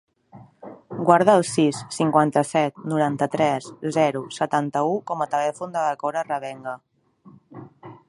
Guarda el sis, cinquanta-set, noranta-tres, zero, setanta-u com a telèfon de la Cora Revenga.